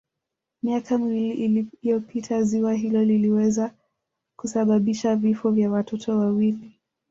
Miaka miwili iliyopita ziwa hilo liliweza kusababisha vifo vya watoto wawili